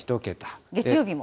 月曜日も。